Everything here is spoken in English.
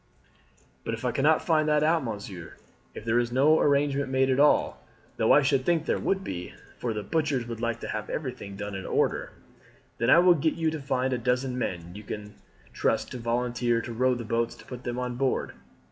"But if I cannot find that out, monsieur; if there is no arrangement made at all though I should think there would be, for the butchers will like to have everything done in order " "Then I will get you to find a dozen men you can trust to volunteer to row the boats to put them on board.